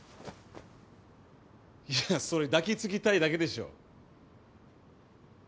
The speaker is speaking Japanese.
それ抱きつきたいだけでしょ。